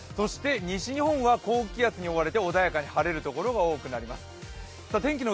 そして西日本は高気圧に覆われて穏やかに晴れるところが多くなります。